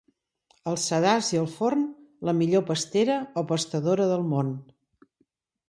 El sedàs i el forn, la millor pastera o pastadora del món.